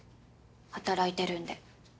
働いてるんで。